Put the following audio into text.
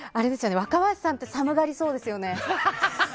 若林さんって寒がりそうですよね。